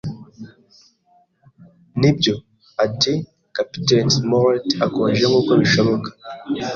“Nibyo?” ati Kapiteni Smollett akonje nkuko bishoboka.